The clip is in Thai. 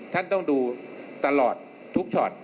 ท่านต้องดูตลอดทุกช็อต